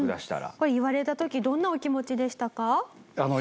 これ言われた時どんなお気持ちでしたか？